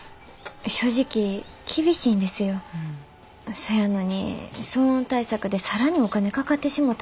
そやのに騒音対策で更にお金かかってしもたら。